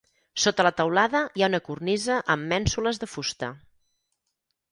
Sota la teulada hi ha una cornisa amb mènsules de fusta.